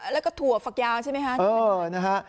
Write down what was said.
แล้วก็ถั่วฝักยาวใช่ไหมคะ